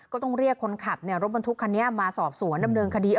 ก็ต้องเรียกคนขับรถบรรทุกคันนี้มาสอบสวนดำเนินคดี